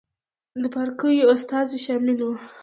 د پاړکیو استازي شامل وو.